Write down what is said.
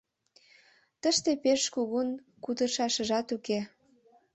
Тыште пеш кугун кутырышашыжат уке.